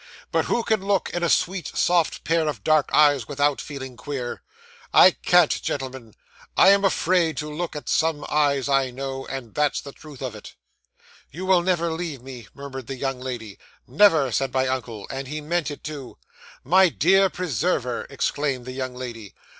But who can look in a sweet, soft pair of dark eyes, without feeling queer? I can't, gentlemen. I am afraid to look at some eyes I know, and that's the truth of it. '"You will never leave me," murmured the young lady. '"Never," said my uncle. And he meant it too. '"My dear preserver!" exclaimed the young lady.